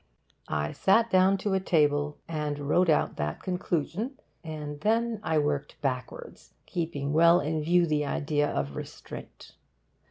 I sat down to a table and wrote out that conclusion, and then I worked backwards, keeping well in view the idea of 'restraint.